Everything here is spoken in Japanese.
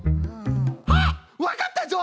あっわかったぞい！